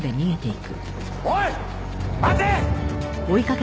おい！